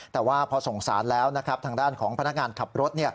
แต่ว่าพอส่งสารแล้วนะครับทางด้านของพนักงานขับรถ